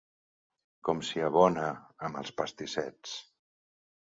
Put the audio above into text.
Com s'hi abona, amb els pastissets!